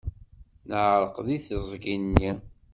Neɛreq deg teẓgi-nni.